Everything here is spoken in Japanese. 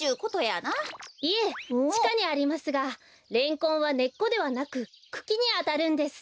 いえちかにありますがレンコンはねっこではなくくきにあたるんです。